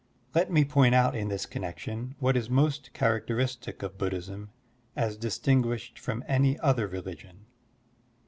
Let me point out in this connection what is most characteristic of Buddhism as distinguished from any other religion.